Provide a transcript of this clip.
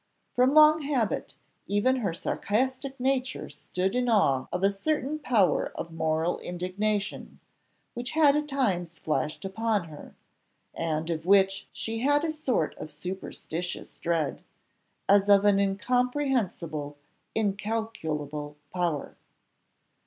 From long habit, even her sarcastic nature stood in awe of a certain power of moral indignation, which had at times flashed upon her, and of which she had a sort of superstitious dread, as of an incomprehensible, incalculable power.